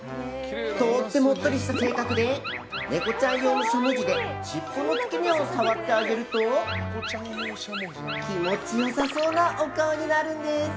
とってもおっとりした性格でネコちゃん用のしゃもじで尻尾の付け根を触ってもらうと気持ちよさそうなお顔になるんです。